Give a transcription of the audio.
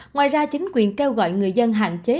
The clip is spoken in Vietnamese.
ngoài ra chính quyền kêu gọi người dân hạn chế